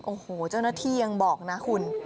โอ้โหเจ้าหน้าที่ยังบอกนะคุณ